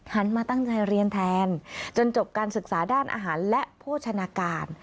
มาตั้งใจเรียนแทนจนจบการศึกษาด้านอาหารและโภชนาการ